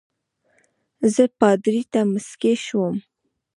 زه پادري ته مسکی شوم.